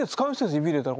指入れたら。